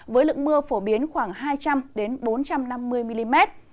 với lượng mưa phổ biến khoảng hai trăm linh bốn trăm năm mươi mm